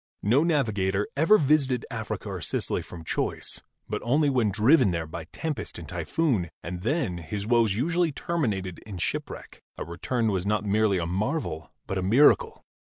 No navi gator ever visited Africa or Sicily from choice, but only when driven there by tempest and typhoon, and then his woes usually terminated in shipwreck; a return was not merely a marvel but a miracle.